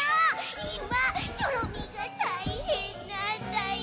いまチョロミーがたいへんなんだよ。